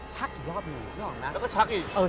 ฉากอีกรอบหน่อย